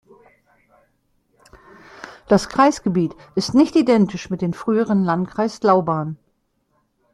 Das Kreisgebiet ist nicht identisch mit dem früheren Landkreis Lauban.